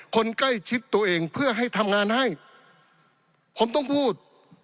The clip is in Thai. คนใกล้ชิดตัวเองเพื่อให้ทำงานให้ผมต้องพูด